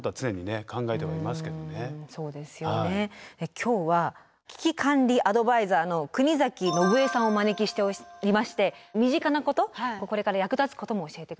今日は危機管理アドバイザーの国崎信江さんをお招きしておりまして身近なことこれから役立つことも教えて下さいます。